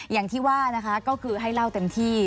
อย่างที่ว่านะคะก็คือให้เล่าเต็มที่